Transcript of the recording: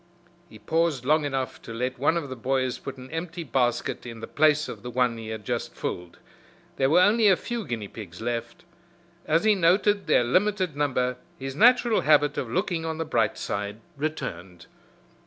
He paused long enough to let one of the boys put an empty basket in the place of the one he had just filled. There were only a few guinea pigs left. As he noted their limited number his natural habit of looking on the bright side returned.